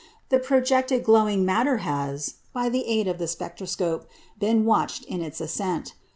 The projected glowing matter has, by the aid of the spectroscope, been watched in its ascent.